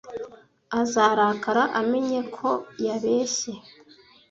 Azarakara amenye ko yabeshye.